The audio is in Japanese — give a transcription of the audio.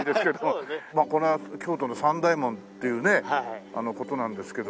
これは京都の三大門っていうね事なんですけども。